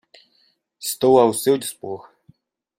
Estou ao seu dispor